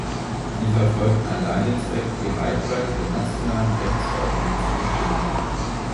Sie verfolgten allein den Zweck, die Reichweite der nationalen Rechtsordnungen zu bestimmen.